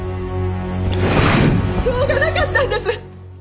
しょうがなかったんです！